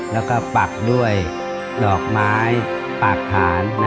และปักด้วยดอกไม้ปักฐาน